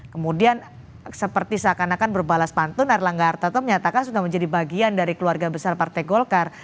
kemudian seperti seakan akan berbalas pantun erlangga hartarto menyatakan sudah menjadi bagian dari keluarga besar partai golkar